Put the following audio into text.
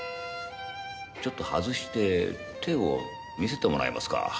ちょっと外して手を見せてもらえますか？